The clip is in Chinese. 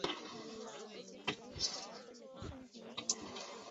城市机场客运大楼车站。